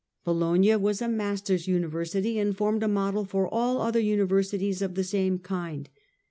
Bologna was a Masters' University, and formed a model for all other Universities of the same kind.